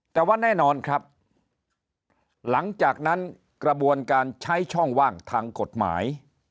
แต่ว่าแน่นอนครับหลังจากนั้นกระบวนการใช้ช่องว่างทางกฎหมาย